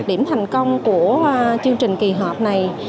điểm thành công của chương trình kỳ họp này